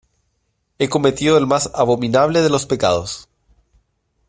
he cometido el más abominable de los pecados: